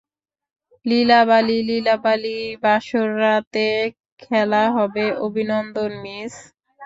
লিলা বালি, লিলা বালি বাসর রাতে খেলা হবে, অভিনন্দন, মিস!